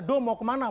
do mau kemana